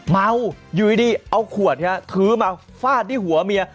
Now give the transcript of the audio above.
เมาอยู่ดีเอาขวดครับถือมาฟาดที่หัวเมีย